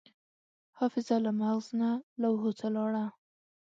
حافظه له مغز نه لوحو ته لاړه.